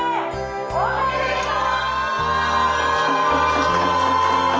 おめでとう！